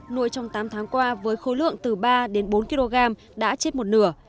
nuôi trong tám tháng qua với khối lượng từ ba đến bốn kg đã chết một nửa